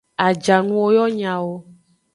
Ajanuwo yo nyawo.